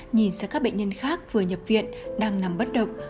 nhìn sang các bệnh nhân khác vừa nhập viện đang nằm bất động